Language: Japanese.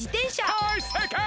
はいせいかい！